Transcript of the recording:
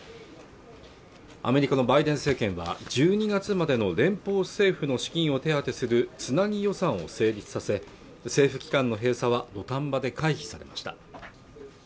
アメリカのバイデン政権は１２月までの連邦政府の資金を手当するつなぎ予算を成立させ政府機関の閉鎖は土壇場で回避されました